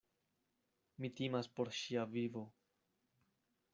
Mi timas por ŝia vivo.